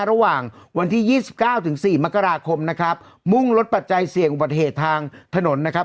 ระหว่างวันที่ยี่สิบเก้าถึงสี่มกราคมนะครับมุ่งลดปัจจัยเสี่ยงอุบัติเหตุทางถนนนะครับ